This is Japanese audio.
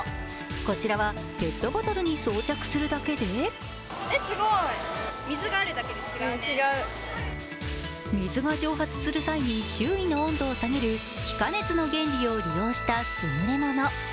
こちらは、ペットボトルに装着するだけで水が蒸発する際に周囲の温度を下げる気化熱の原理を利用した優れモノ。